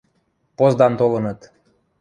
Поздан толыныт.